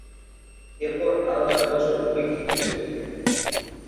এরপর আরও চার বছর উপেক্ষিত ছিলেন তিনি।